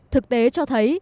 thực tế cho thấy